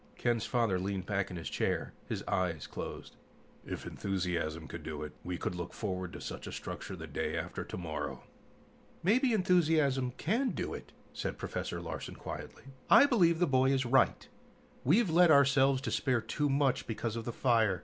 Ken's father leaned back in his chair, his eyes closed. "If enthusiasm could do it, we could look forward to such a structure the day after tomorrow." "Maybe enthusiasm can do it," said Professor Larsen quietly. "I believe the boy is right. We've let ourselves despair too much because of the fire.